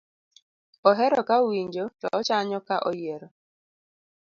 ohero ka owinjo to ochanyo ka oyiero